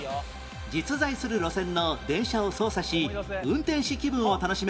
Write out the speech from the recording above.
実在する路線の電車を操作し運転士気分を楽しめる